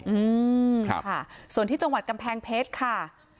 อืมค่ะส่วนที่จังหวัดกำแพงเพชรค่ะ